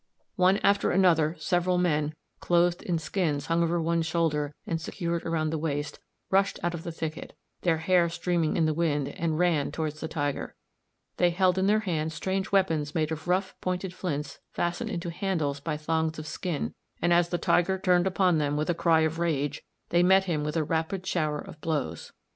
77. Palæolithic times.] One after another, several men, clothed in skins hung over one shoulder and secured round the waist, rushed out of the thicket, their hair streaming in the wind, and ran towards the tiger. They held in their hands strange weapons made of rough pointed flints fastened into handles by thongs of skin, and as the tiger turned upon them with a cry of rage they met him with a rapid shower of blows.